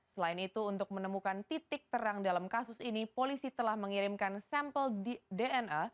selain itu untuk menemukan titik terang dalam kasus ini polisi telah mengirimkan sampel dna